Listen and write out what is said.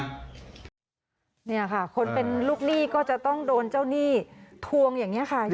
อยู่หวัดหน้าตัวเองคนเป็นลูกหนี้ก็ต้องโดนเจ้านี่ทวงอย่างนี้ค่ะ